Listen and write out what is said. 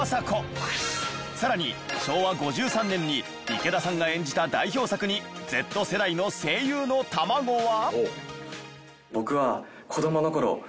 更に昭和５３年に池田さんが演じた代表作にＺ世代の声優の卵は。